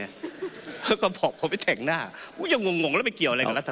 แล้วก็บอกผมไปแต่งหน้ายังงงแล้วไม่เกี่ยวอะไรกันล่ะท่านครับ